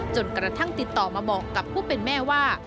จนกระทั่งติดต่อมาบอกกับผู้เป็นแม่ว่า